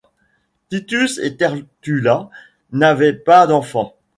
Titus et Tertulla n'avaient pas d'enfants.